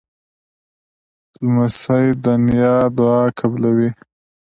لمسی د نیا دعا قبلوي.